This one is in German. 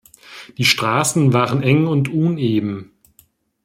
Die Straßen waren eng und uneben.